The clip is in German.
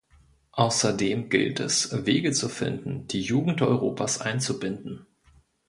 Außerdem gilt es, Wege zu finden, die Jugend Europas einzubinden.